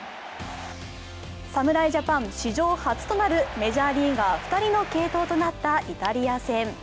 侍ジャパン史上初となるメジャーリーガー２人の継投となったイタリア戦。